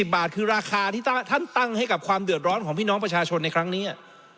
บาทคือราคาที่ท่านตั้งให้กับความเดือดร้อนของพี่น้องประชาชนในครั้งนี้